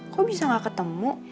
kok bisa gak ketemu